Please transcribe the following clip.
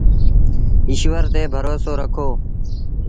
ايٚشور تي ڀروسو رکو۔